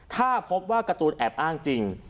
ถ้าพบว่าการ์ตูนแอบอ้างจริง